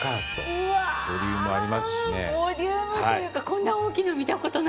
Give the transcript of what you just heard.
ボリュームというかこんな大きいの見た事ないです。